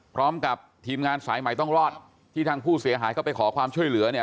พร้อมกับทีมงานสายใหม่ต้องรอดที่ทางผู้เสียหายเข้าไปขอความช่วยเหลือเนี่ย